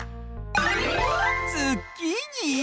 ズッキーニ？